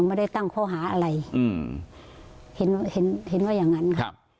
ไม่ได้ตั้งโครหาอะไรเห็นว่ายังไงครับ